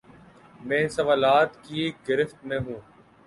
میں ان سوالات کی گرفت میں ہوں۔